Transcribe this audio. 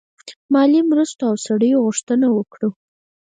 مالي مرستو او سړیو غوښتنه وکړه.